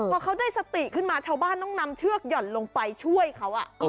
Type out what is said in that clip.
พอเขาได้สติขึ้นมาชาวบ้านต้องนำเชือกหย่อนลงไปช่วยเขา